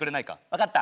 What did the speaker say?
わかった。